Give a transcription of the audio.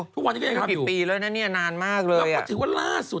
ทุกวันนี้ก็ยังทำอยู่